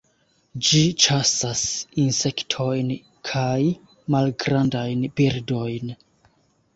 Ĝi ĉasas insektojn kaj malgrandajn birdojn.